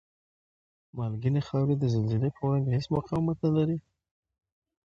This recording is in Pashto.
مالګینې خاورې د زلزلې په وړاندې هېڅ مقاومت نلري؟